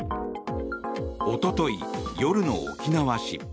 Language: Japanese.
おととい夜の沖縄市。